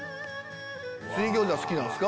水餃子好きなんすか？